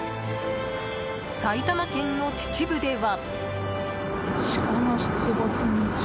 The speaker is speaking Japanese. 埼玉県の秩父では。